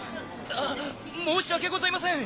あぁ申し訳ございません！